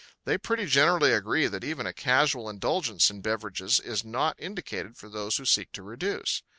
They pretty generally agree that even a casual indulgence in beverages is not indicated for those who seek to reduce.